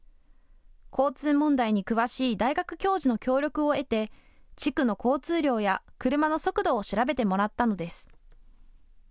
交通問題に詳しい大学教授の協力を得て、地区の交通量や車の速度を調べてもらったのです。